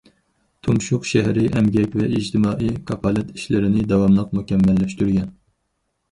تۇمشۇق شەھىرى ئەمگەك ۋە ئىجتىمائىي كاپالەت ئىشلىرىنى داۋاملىق مۇكەممەللەشتۈرگەن.